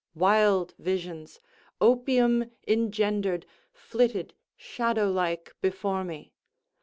Wild visions, opium engendered, flitted, shadow like, before me.